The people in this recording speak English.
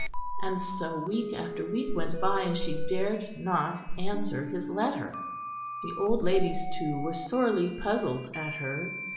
And so week after week went by and she dared not answer his letter. The old ladies, too, were sorely puzzled at her.